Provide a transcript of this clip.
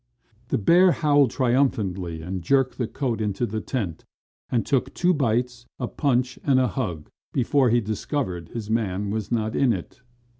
The bear howled triumphantly and jerked the coat into the tent and took two bites, a punch and a hug before he discovered his man was not in it.